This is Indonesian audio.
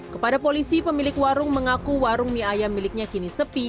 kepada polisi pemilik warung mengaku warung mie ayam miliknya kini sepi